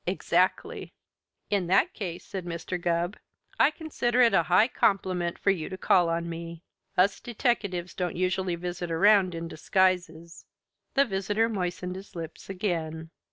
"Exactly." "In that case," said Mr. Gubb, "I consider it a high compliment for you to call upon me. Us deteckatives don't usually visit around in disguises." The visitor moistened his lips again.